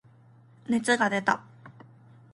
熱が出た。